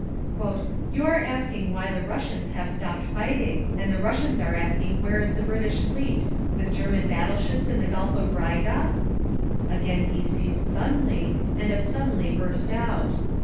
"You are asking why the Russians have stopped fighting, and the Russians are asking where is the British fleet—with German battle ships in the Gulf of Riga?" Again he ceased suddenly, and as suddenly burst out.